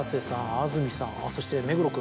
安住さんそして目黒君。